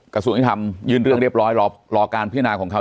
กระทรวงยุทธรรมยื่นเรื่องเรียบร้อยรอการพิจารณาของเขา